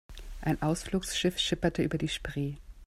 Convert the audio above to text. Ein Ausflugsschiff schipperte über die Spree.